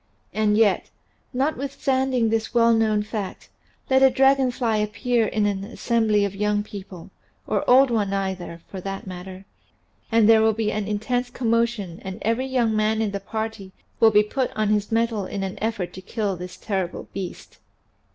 And yet, notwithstanding this well known fact, let a dragon fly appear in an assembly of young people (or old ones either, for that matter) and there will be an intense commotion and every young man in the party will be put on his mettle in an effort to kill the terrible beast.